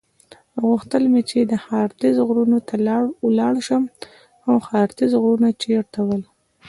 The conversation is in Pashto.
غوښتل مې چې د هارتز غرونو ته ولاړ شم، خو هارتز غرونه چېرته ول؟